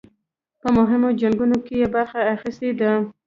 په مهمو جنګونو کې یې برخه اخیستې ده.